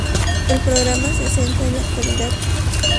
El programa se centra en la actualidad.